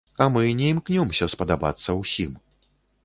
А мы не імкнёмся спадабацца ўсім.